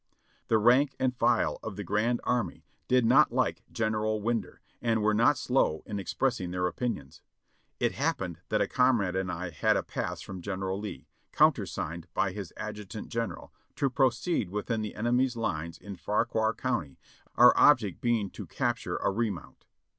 The rank and file of the grand army did not like General Winder and were not slow in expressing their opinions. It happened that a comrade and I had a pass from General Lee, countersigned by his Adjutant General, to proceed within the enemy's lines in Fauquier County, our object being to cap ture a re mount.